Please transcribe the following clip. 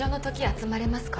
集まれますか？